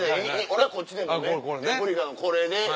俺はこっちでもねレプリカのこれで。